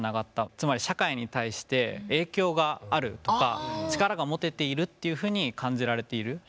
つまり社会に対して影響があるとか力が持てているっていうふうに感じられている。